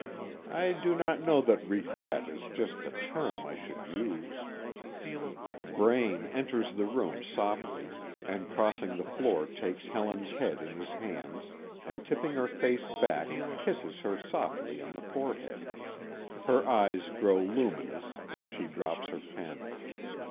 I do not know that "regret" is just the term I should use Braine enters the room softly, and crossing the floor takes Helen's head in his hands, and tipping her face back, kisses her softly on the forehead. Her eyes grow luminous, and she drops her pen.